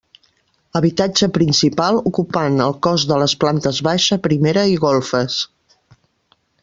Habitatge principal ocupant el cos de les plantes baixa, primera i golfes.